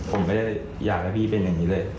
ผมไม่ได้อยากให้พี่เป็นอย่างนี้เลย